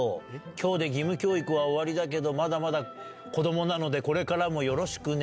きょうで義務教育は終わりだけど、まだまだ子どもなので、これからもよろしくね。